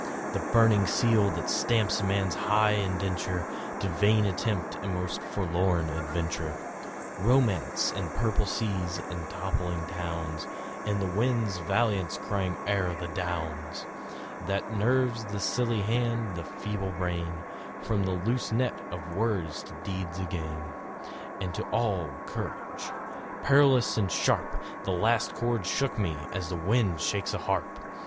The burning seal that stamps man's high indenture To vain attempt and most forlorn adventure; Romance, and purple seas, and toppling towns, And the wind's valiance crying o'er the downs; That nerves the silly hand, the feeble brain, From the loose net of words to deeds again And to all courage! Perilous and sharp The last chord shook me as wind shakes a harp!